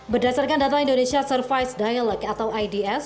berdasarkan data indonesia service dialog atau ids